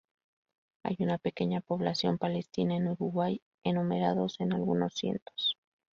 Hay una pequeña población palestina en Uruguay, enumerados en algunos cientos.